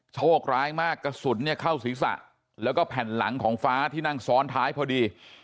โชคร้ายมากกระสุนเนี่ยเข้าศีรษะแล้วก็แผ่นหลังของฟ้าที่นั่งซ้อนท้ายพอดี